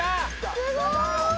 すごーい！